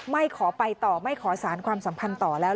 ขอไปต่อไม่ขอสารความสัมพันธ์ต่อแล้ว